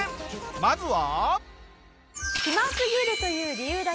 まずは。